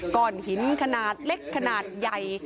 ก้อนหินขนาดเล็กขนาดใหญ่